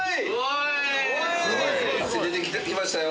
汗出てきましたよ。